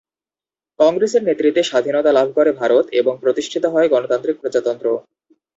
কংগ্রেসের নেতৃত্বে স্বাধীনতা লাভ করে ভারত এবং প্রতিষ্ঠিত হয় গণতান্ত্রিক প্রজাতন্ত্র।